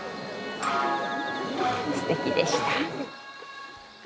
すてきでした。